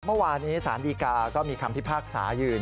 เมื่อวานนี้สารดีกาก็มีคำพิพากษายืน